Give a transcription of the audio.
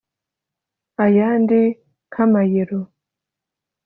Ayandi nk’amayero